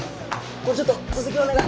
これちょっと続きお願い。